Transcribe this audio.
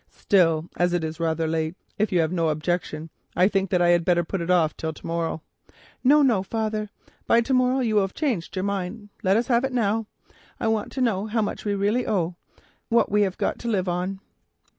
Still, as it is rather late, if you have no objection I think that I had better put if off till to morrow." "No, no, father. By to morrow you will have changed your mind. Let us have it now. I want to know how much we really owe, and what we have got to live on."